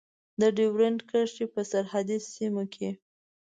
د ډیورند کرښې په سرحدي سیمو کې.